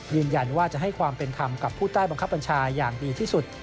ยืนยันว่าจะให้ความเป็นธรรมกับผู้ใต้บังคับบัญชาอย่างดีที่สุด